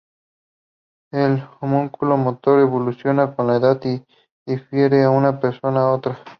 El homúnculo motor evoluciona con la edad y difiere de una persona a otra.